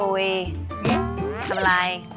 โอ้ยทำอะไร